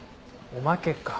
「おまけ」か。